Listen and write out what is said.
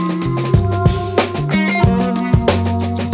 nggak ada yang denger